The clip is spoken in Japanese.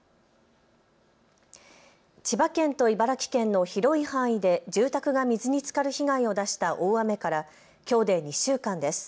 千葉県と茨城県の広い範囲で住宅が水につかる被害を出した大雨からきょうで２週間です。